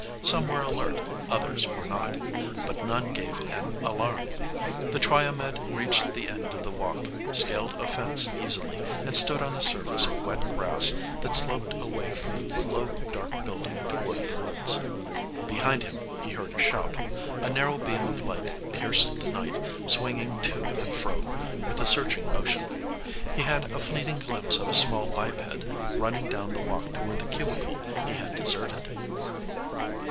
Some were alert, others were not. But none gave an alarm. The Triomed reached the end of the walk, scaled a fence easily and stood on a surface of wet grass that sloped away from the low dark building toward the woods. Behind him he heard a shout. A narrow beam of light pierced the night, swinging to and fro with a searching motion. He had a fleeting glimpse of a small biped running down the walk toward the cubicle he had deserted.